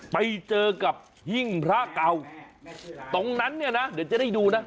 ไปเจอกับหิ้งพระเก่าตรงนั้นเนี่ยนะเดี๋ยวจะได้ดูนะ